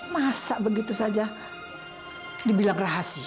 masa begitu saja dibilang rahasia